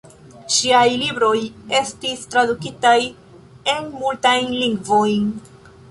Ŝiaj libroj estis tradukitaj en multajn lingvojn.